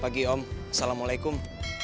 pagi om assalamualaikum